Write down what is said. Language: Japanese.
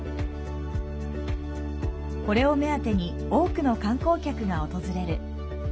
これを目当てに多くの観光客が訪れる。